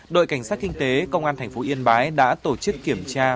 đội cảnh sát kinh tế công an tp yên bái đã tổ chức kiểm tra